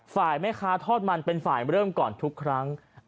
ฝ่ายแม่ค้าทอดมันเป็นฝ่ายเริ่มก่อนทุกครั้ง